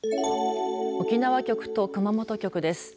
沖縄局と熊本局です。